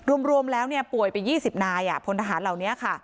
รวมรวมแล้วนี้ป่วยไปยี่สิบนายอ่ะพลทหารเหล่านี้ค่ะ